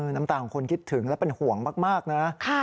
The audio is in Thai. น้ำตาของคนคิดถึงและเป็นห่วงมากนะ